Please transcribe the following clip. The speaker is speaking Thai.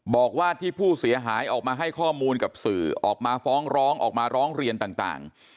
บอกว่าที่ผู้เสียหายออกมาให้ข้อมูลกับสื่อออกมาฟ้องร้องออกมาร้องเรียนต่าง